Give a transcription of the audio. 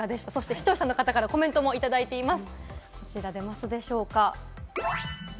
視聴者の方からコメントもいただいています。